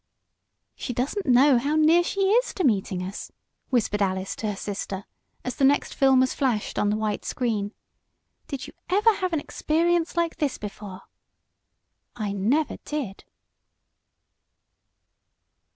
"She doesn't know how near she is to meeting us!" whispered Alice to her sister, as the next film was flashed on the white screen. "Did you ever have an experience like this before?" "I never did!"